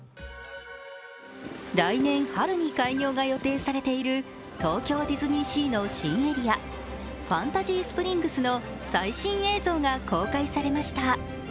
来年春に開業が予定されている東京ディズニーシーの新エリアファンタジースプリングスの最新映像が公開されました。